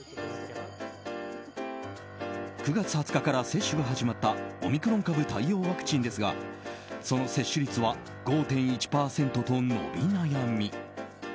９月２０日から接種が始まったオミクロン株対応ワクチンですがその接種率は５．１％と伸び悩み。